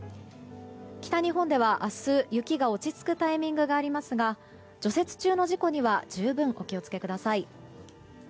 北日本では明日、雪が落ち着くタイミングがありますが除雪中の事故には十分お気を付けください。